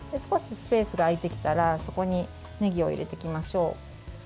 スペースが空いてきたらそこにねぎを入れていきましょう。